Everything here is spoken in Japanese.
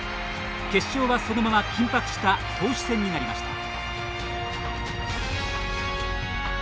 決勝は、そのまま緊迫した投手戦になりました。